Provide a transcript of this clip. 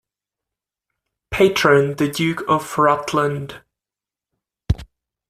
Patron, the Duke of Rutland.